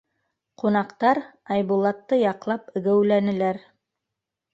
Ҡунаҡтар Айбулатты яҡлап геүләнеләр: